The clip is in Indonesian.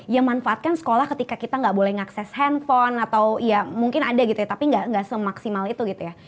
ya manfaatkan sekolah ketika kita nggak boleh ngakses handphone atau ya mungkin ada gitu ya tapi nggak semaksimal itu gitu ya